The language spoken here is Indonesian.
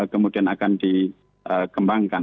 kemudian akan dikembangkan